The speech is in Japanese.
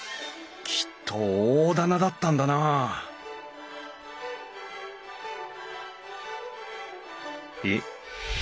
きっと大店だったんだなあえっ